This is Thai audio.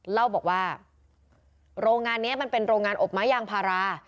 เล่าบอกว่าโรงงานนี้มันเป็นโรงงานอบไม้ยางพารา